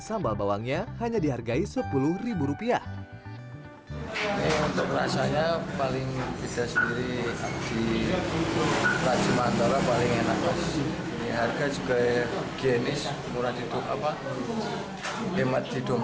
sambal bawangnya hanya dihargai sepuluh rupiah untuk rasanya